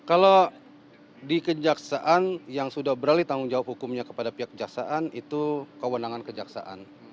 kalau di kejaksaan yang sudah beralih tanggung jawab hukumnya kepada pihak kejaksaan itu kewenangan kejaksaan